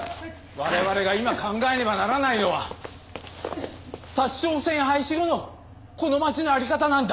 我々が今考えねばならないのは札沼線廃止後のこの町の在り方なんだ。